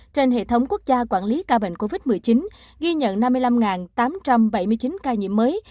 trên hệ thống quốc gia quản lý ca bệnh covid một mươi chín ghi nhận năm mươi năm tám trăm bảy mươi chín ca nhiễm mới